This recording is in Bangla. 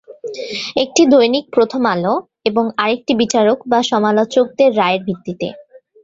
একটি "দৈনিক প্রথম আলো" এবং আরেকটি বিচারক/সমালোচকদের রায়ের ভিত্তিতে।